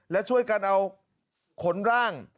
และช่วยกันเอาขนร่าง